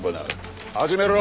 始めろ！